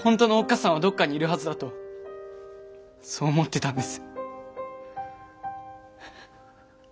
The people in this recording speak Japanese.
さんはどっかにいるはずだとそう思ってたんです。